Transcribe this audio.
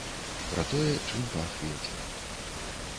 Пра тое, чым пах вецер.